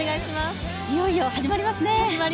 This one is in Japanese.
いよいよ始まりますね。